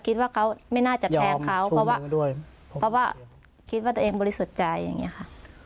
คิดว่าเขาไม่น่าจะแทงเขาเพราะว่าเพราะว่าคิดว่าตัวเองบริสุทธิ์ใจอย่างนี้ค่ะ